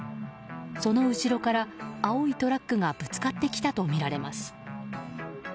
その後ろから青いトラックがぶつかってきたとみられます。